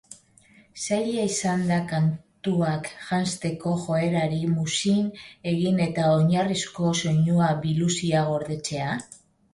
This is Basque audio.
Zaila izan da kantuak janzteko joerari muzin egin eta oinarrizko soinu biluzia gordetzea?